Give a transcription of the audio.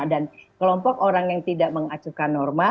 dan kelompok orang yang tidak mengacukan norma